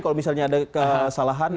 kalau misalnya ada kesalahan